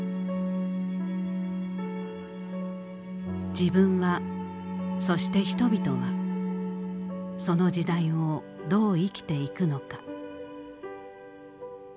自分はそして人々はその時代をどう生きていくのか。